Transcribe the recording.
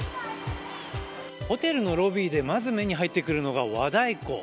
ホテルのロビーでまず目に入ってくるのが和太鼓。